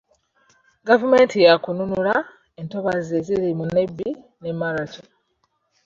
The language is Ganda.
Gavumenti yaakununula ntobazi eziri mu Nebbi ne Maracha.